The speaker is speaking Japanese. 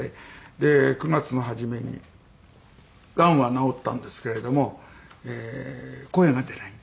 で９月の初めにがんは治ったんですけれども声が出ない。